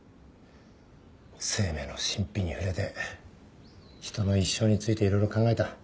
生命の神秘に触れて人の一生について色々考えた。